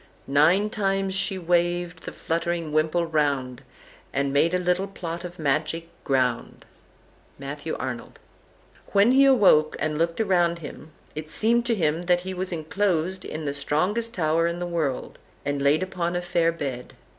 Nine times she waved the fluttering wimple round, And made a little plot of magic ground." Matthew Arnold. And when he awoke, and looked round him, it seemed to him that he was enclosed in the strongest tower in the world, and laid upon a fair bed.